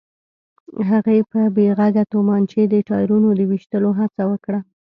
هغې په بې غږه تومانچې د ټايرونو د ويشتلو هڅه وکړه.